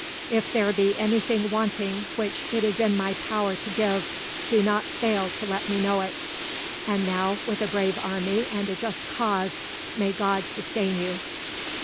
If there be anything wanting which it is in my power to give, do not fail to let me know it. And now, with a brave army and a just cause, may God sustain you.